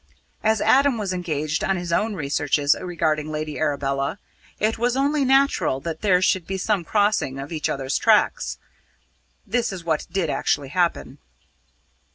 As Adam was engaged on his own researches regarding Lady Arabella, it was only natural that there should be some crossing of each other's tracks. This is what did actually happen.